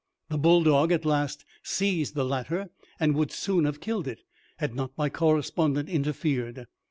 The bull dog at last seized the latter, and would soon have killed it, had not my correspondent interfered.